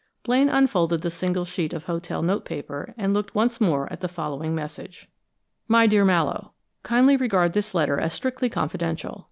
Blaine unfolded the single sheet of hotel note paper, and looked once more at the following message: My Dear Mallowe: Kindly regard this letter as strictly confidential.